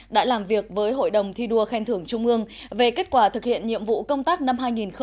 đã làm việc với hội đồng thi đua khen thưởng trung ương về kết quả thực hiện nhiệm vụ công tác năm hai nghìn hai mươi